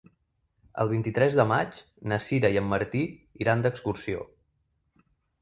El vint-i-tres de maig na Sira i en Martí iran d'excursió.